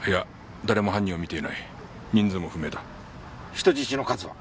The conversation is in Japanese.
人質の数は？